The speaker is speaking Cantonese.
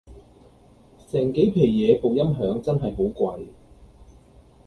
成幾皮野部音響真係好貴